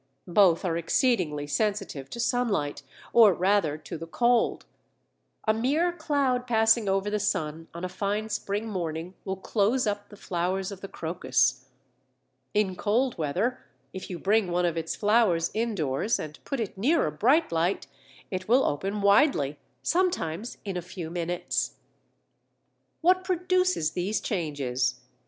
Both are exceedingly sensitive to sunlight, or rather to the cold. A mere cloud passing over the sun on a fine spring morning will close up the flowers of the Crocus. In cold weather, if you bring one of its flowers indoors and put it near a bright light it will open widely, sometimes in a few minutes. What produces these changes?